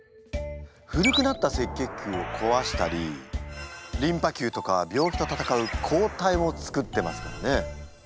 古くなった赤血球をこわしたりリンパ球とか病気と闘う抗体をつくってますからね。